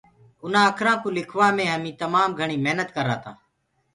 اُنآ اکرآنٚ ڪوُ لِکوآ مي همي تمآ گهڻي محنت ڪرآ تآ۔